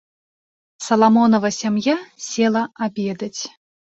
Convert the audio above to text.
Саламонава сям'я села абедаць.